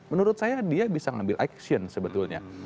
menurut saya dia bisa mengambil action sebetulnya